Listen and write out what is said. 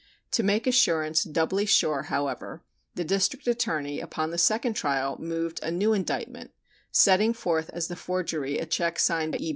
To make assurance doubly sure, however, the District Attorney upon the second trial moved a new indictment, setting forth as the forgery a check signed "E.